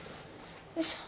よいしょ。